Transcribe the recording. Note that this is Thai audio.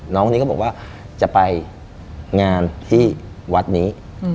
น้องคนนี้ก็บอกว่าจะไปงานที่วัดนี้